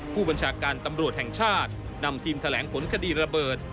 ผู้บัญชาการตำรวจแห่งชาตินำทีมแถลงผลคดีระเบิด